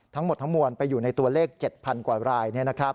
ทั้งหมดทั้งมวลไปอยู่ในตัวเลข๗๐๐กว่าราย